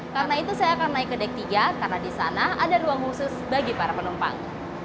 karena itu saya akan naik ke dek tiga karena di sana ada ruang khusus bagi para penumpang